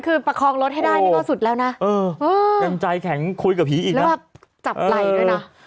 เขาก็จะไม่มารบกวน